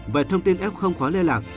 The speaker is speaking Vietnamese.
về thông tin f khó liên lạc